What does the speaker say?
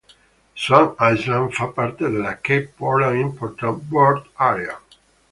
Swan Island fa parte della "Cape Portland Important Bird Area".